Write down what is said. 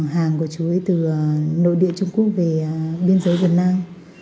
hàng của chú ấy từ nội địa trung quốc về biên giới việt nam